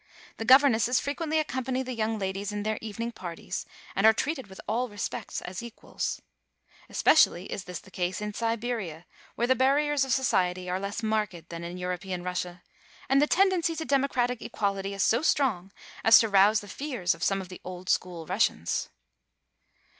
The governesses frequently accompany the young ladies in their evening parties, and are treated in all respects as equals. Especially is this the case in Siberia, where the barriers of society are less marked than in European Russia, and the tend ency to democratic equality is so strong as to rouse the fears of some of the old school Russians.